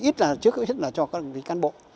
ít là trước ít là cho các đồng chí can bộ